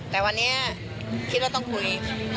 แต่วันนี้คิดว่าต้องคุย